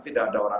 tidak ada orang